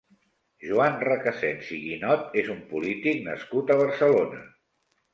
Joan Recasens i Guinot és un polític nascut a Barcelona.